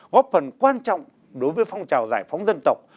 góp phần quan trọng đối với phong trào giải phóng dân tộc